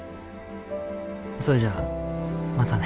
それじゃあまたね。